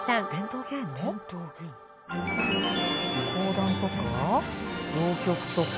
講談とか浪曲とか。